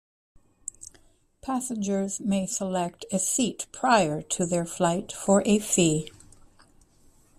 Passengers may select a seat prior to their flight for a fee.